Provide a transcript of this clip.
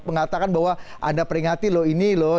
mengatakan bahwa anda peringati loh ini loh